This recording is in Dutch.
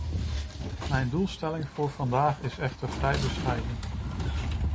Mijn doelstelling voor vandaag is echter vrij bescheiden.